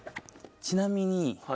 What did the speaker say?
ちなみに。